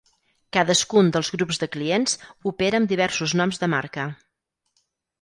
Cadascun dels grups de clients opera amb diversos noms de marca.